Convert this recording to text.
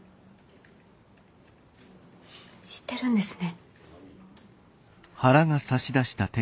知ってるんですね？